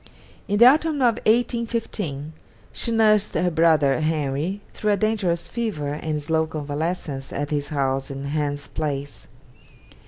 In the autumn of 1815 she nursed her brother Henry through a dangerous fever and slow convalescence at his house in Hans Place.